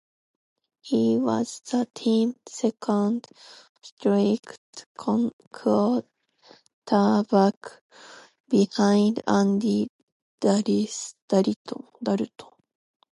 He was the team's second-string quarterback behind Andy Dalton.